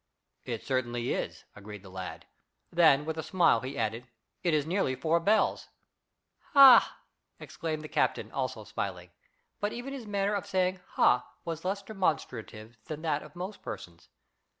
"It certainly is," agreed the lad. Then, with a smile he added: "It is nearly four bells." "Ha!" exclaimed the captain, also smiling, but even his manner of saying "Ha!" was less demonstrative than that of most persons.